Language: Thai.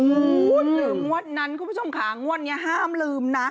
โอ้โหลืมงวดนั้นคุณผู้ชมค่ะงวดนี้ห้ามลืมนะ